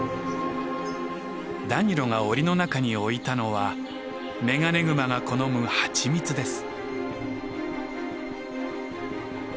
ダニロが檻の中に置いたのはメガネグマが好む蜂蜜です。